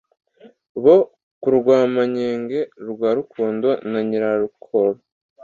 Bo ku Rwamanyege Rwa Rukundo na Nyirarukoro